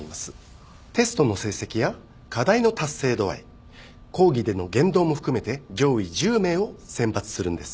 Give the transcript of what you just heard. テストの成績や課題の達成度合い講義での言動も含めて上位１０名を選抜するんです。